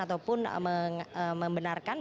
ataupun membenarkan pemerintah yang berpengaruh dengan dpr